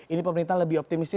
ini pemerintah lebih optimis